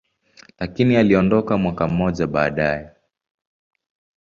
lakini aliondoka mwaka mmoja baadaye.